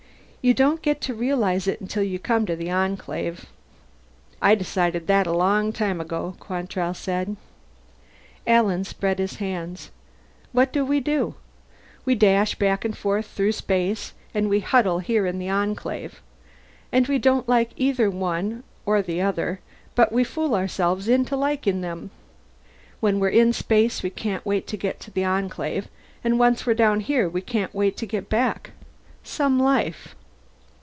You don't get to realize it until you come to the Enclave." "I decided that a long time ago," Quantrell said. Alan spread his hands. "What do we do? We dash back and forth through space, and we huddle here in the Enclave. And we don't like either one or the other, but we fool ourselves into liking them. When we're in space we can't wait to get to the Enclave, and once we're down here we can't wait to get back. Some life."